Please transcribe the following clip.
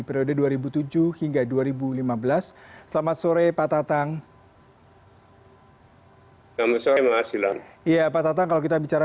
periode dua ribu tujuh dua ribu lima belas selamat sore pak tatang hai kamu sobat silam iya pak tatang kalau kita bicara